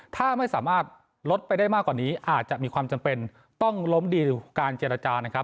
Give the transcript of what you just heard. ถ้าไม่สามารถลดไปได้มากกว่านี้อาจจะมีความจำเป็นต้องล้มดีลการเจรจานะครับ